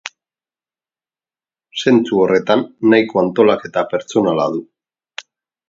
Zentzu horretan nahiko antolaketa pertsonala du.